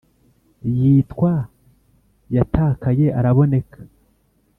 yitwa yatakaye araboneka